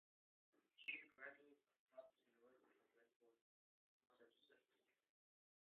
She is a graduate of Tufts University in Medford, Massachusetts.